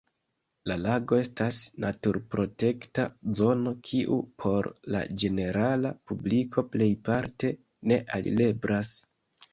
La lago estas naturprotekta zono, kiu por la ĝenerala publiko plejparte ne alireblas.